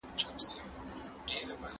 تاسو باید د ژوندپوهنې قواعدو ته پام وکړئ.